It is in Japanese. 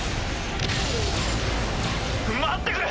待ってくれ！